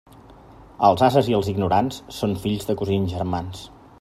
Els ases i els ignorants són fills de cosins germans.